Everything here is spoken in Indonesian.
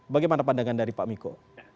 bagaimana pandangan dari pak miko